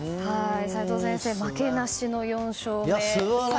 齋藤先生、負けなしの４勝で。